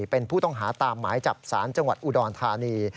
เป็นผู้ต้องหาตามหมายจับสารจังหวัดอุดรธานี